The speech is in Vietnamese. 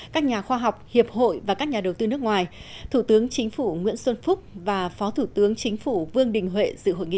các nhà khoa học hiệp hội và các nhà đầu tư nước ngoài thủ tướng chính phủ nguyễn xuân phúc và phó thủ tướng chính phủ vương đình huệ dự hội nghị